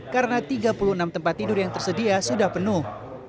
karena tiga puluh enam tempat tidur yang tersedia sudah penuh